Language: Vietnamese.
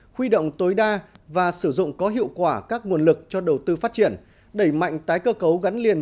huy động tối đa và sử dụng có hiệu quả các nguồn lực cho đầu tư phát triển đẩy mạnh tái cơ cấu gắn liền